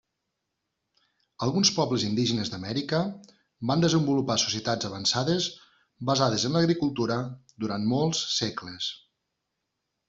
Alguns pobles indígenes d'Amèrica van desenvolupar societats avançades basades en l'agricultura, durant molts segles.